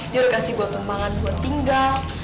dia udah kasih gue tembangan buat tinggal